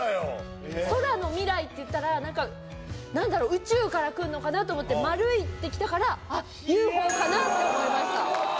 そらのみらいっていったら何か何だろう宇宙からくるのかなと思ってまるいってきたからあっＵＦＯかなって思いました